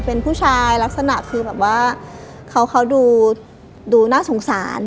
เป็นผู้ชายลักษณะดูดูน่าสงสารอ่ะ